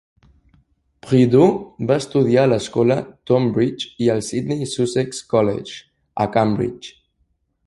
Prideaux va estudiar a l'escola Tonbridge i al Sidney Sussex College, a Cambridge.